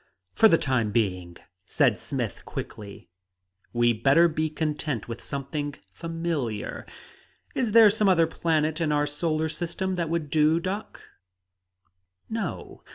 "For the time being," said Smith quickly, "we'd better be content with something familiar. Is there some other planet in our solar system that would do, doc?" "No.